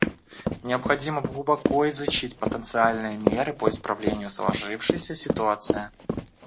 Необходимо глубоко изучить потенциальные меры по исправлению сложившейся ситуации.